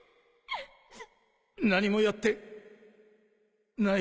何もやってない。